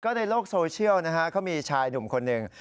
ในโลกโซเชียลนะฮะเขามีชายหนุ่มคนหนึ่ง